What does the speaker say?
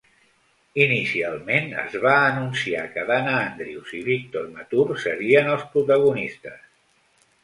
Inicialment, es va anunciar que Dana Andrews i Victor Mature serien els protagonistes.